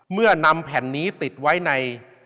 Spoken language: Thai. เมื่อนำแผ่นนี้ติดไว้ใน